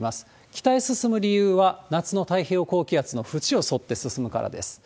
北へ進む理由は、夏の太平洋高気圧の縁を沿って進むからです。